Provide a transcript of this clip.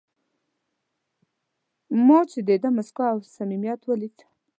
ما چې د ده موسکا او صمیمیت ولید.